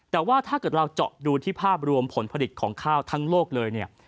แต่ว่าถ้าเกิดเราเจาะดูที่ภาพรวมผลผลิตของข้าวทั้งโลกเลยเนี่ย